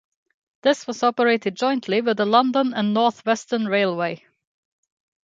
This was operated jointly with the London and North Western Railway.